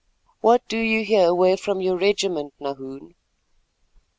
"What do you here away from your regiment, Nahoon?"